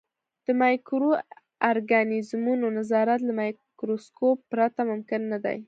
په مایکرو ارګانیزمونو نظارت له مایکروسکوپ پرته ممکن نه دی.